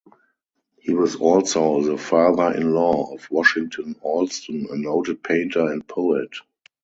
He was also the father-in-law of Washington Allston, a noted painter and poet.